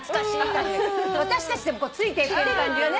私たちでもついていける感じがね。